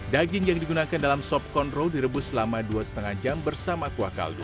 daging yang digunakan dalam sop control direbus selama dua lima jam bersama kuah kaldu